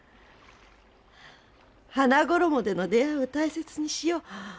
「花ごろも」での出会いを大切にしよう。